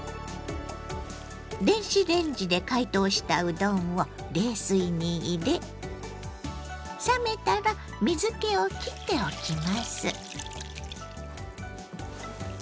電子レンジで解凍したうどんを冷水に入れ冷めたら水けをきっておきます。